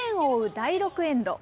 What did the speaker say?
第６エンド。